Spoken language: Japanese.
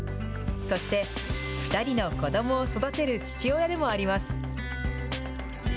そして、２人の子どもを育てる父親でもあります。